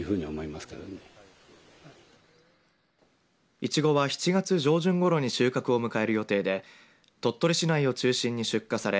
いちごは７月上旬ごろに収穫を迎える予定で鳥取市内を中心に出荷され